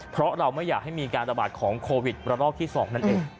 เพราะเราไม่อยากให้มีการระบาดของโควิดระลอกที่๒นั่นเอง